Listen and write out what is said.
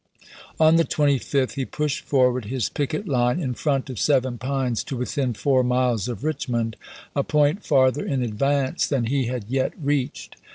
On the 25th he pushed forward his picket line in front of Seven Pines to within four miles of Rich mond, a point farther in advance than he had yet reached.